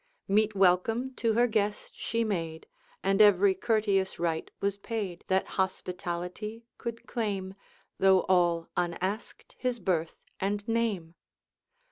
Meet welcome to her guest she made, And every courteous rite was paid That hospitality could claim, Though all unasked his birth and name.